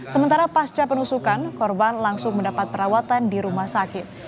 sementara pasca penusukan korban langsung mendapat perawatan di rumah sakit